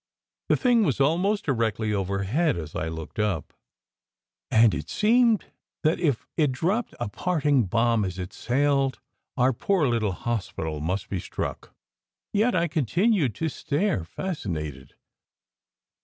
The thing was almost directly overhead as I looked up, and it seemed that if it dropped a parting bomb as it sailed our poor little hospital must be struck. Yet I continued to stare, fascinated.